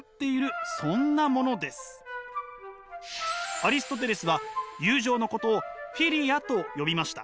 アリストテレスは友情のことをフィリアと呼びました。